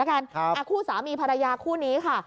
คู่สามีภรรยาคู่นี้ค่ะ